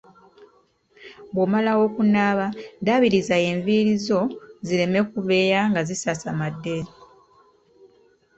Bw'omala okunaaba ddaabiriza enviiri zo zireme kubeea nga zisasamadde.